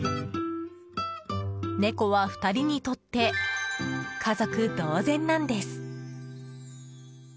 猫は、２人にとって家族同然なんです。